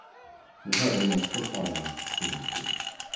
Nu hörde hon också karlarnas tunga steg.